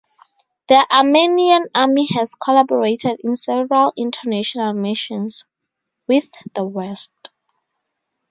The Armenian army has collaborated in several international missions with the West.